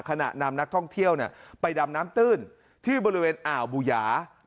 นำนักท่องเที่ยวไปดำน้ำตื้นที่บริเวณอ่าวบูหยา